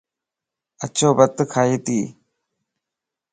اڇو بت کائينتي